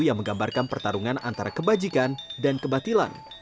yang menggambarkan pertarungan antara kebajikan dan kebatilan